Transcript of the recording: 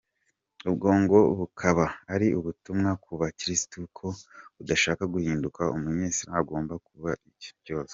Ubwo ngo bukaba ari ubutumwa ku bakirisitu ko udashaka guhinduka Umuyisilamu agomba kubiryozwa.